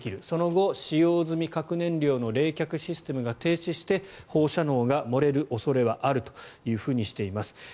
その後、使用済み核燃料の冷却システムが停止して放射能が漏れる恐れはあるとしています。